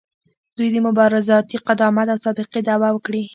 دوی د مبارزاتي قدامت او سابقې دعوه وکړي.